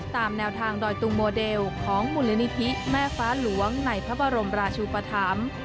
ตามแนวทางดอยตุงโมเดลของมูลนิธิแม่ฟ้าหลวงในพระบรมราชุปธรรม